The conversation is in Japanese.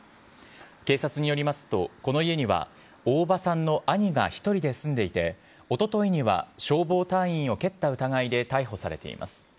警察によりますと、この家には大場さんの兄が１人で住んでいて、おとといには消防隊員を蹴った疑いで逮捕されています。